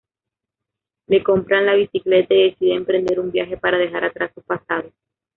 Le compra la bicicleta y decide emprender un viaje para dejar atrás su pasado.